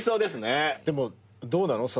でもどうなの？